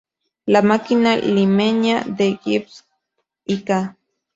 La máquina Limeña de Gibbs y Ca.